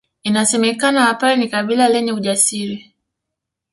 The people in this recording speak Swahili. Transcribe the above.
Inasemekana Wapare ni kabila lenye ujasiri